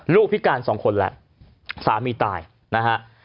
ลูกพิการสองคนแล้วสามีตายนะฮะ